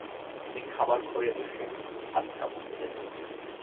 আমি খাবার ঘরে বসে ভাত খাব খিদে লেগেছে।